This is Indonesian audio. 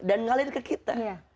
dan ngalir ke kita